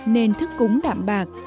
nên thức cúng đạm bạc